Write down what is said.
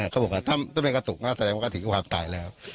เขาบอกว่าถ้าไม่มีกระตุกแสดงว่าถึงความตายแล้ว